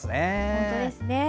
本当ですね。